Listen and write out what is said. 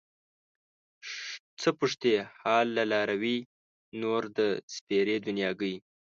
څه پوښتې حال له لاروي نور د سپېرې دنياګۍ